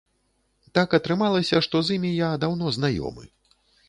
Так атрымалася, што з імі я даўно знаёмы.